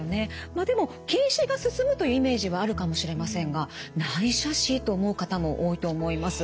まあでも近視が進むというイメージはあるかもしれませんが「内斜視？」と思う方も多いと思います。